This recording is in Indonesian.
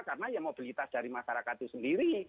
karena ya mobilitas dari masyarakat itu sendiri